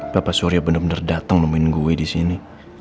papa surya bener bener datang nemuin gue disini